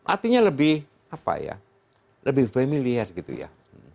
artinya lebih familiar gitu ya